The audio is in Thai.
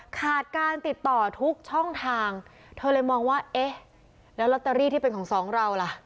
ขาดการติดต่อทุกช่องทางเธอเลยมองว่าเอ๊ะแล้วลอตเตอรี่ที่เป็นของสองเราล่ะ